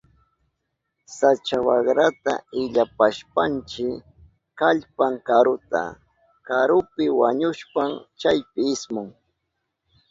Sacha wakrata illapashpanchi kallpan karuta. Karupi wañushpan chaypi ismun.